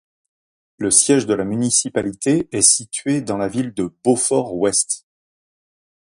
Le siège de la municipalité est situé dans la ville de Beaufort West.